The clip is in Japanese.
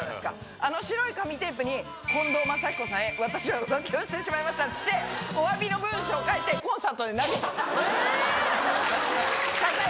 あの白い紙テープに、近藤真彦さんへ、私は浮気をしてしまいましたって、おわびの文章を書いて、コンサートで投げた。